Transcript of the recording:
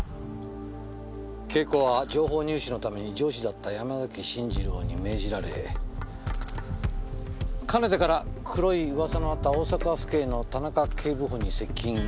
「Ｋ子」は情報入手のために上司だった山崎信二郎に命じられかねてから黒い噂のあった大阪府警の田中警部補に接近。